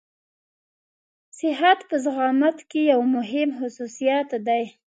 صحت په زعامت کې يو مهم خصوصيت دی.